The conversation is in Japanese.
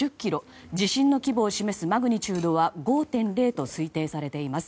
地震の規模を示すマグニチュードは５．０と推定されています。